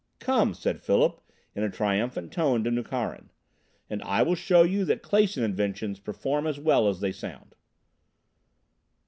"Come," said Philip in a triumphant tone to Nukharin, "and I will show you that Clason inventions perform as well as they sound."